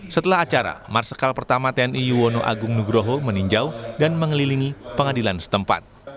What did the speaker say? setelah acara marsikal pertama tni yuwono agung nugroho meninjau dan mengelilingi pengadilan setempat